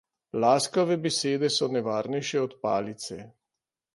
Laskave besede so nevarnejše od palice.